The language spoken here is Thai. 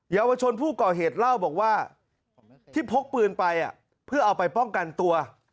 เยาวชนผู้ก่อเหตุเล่าบอกว่าที่พกปืนไปเพื่อเอาไปป้องกันตัว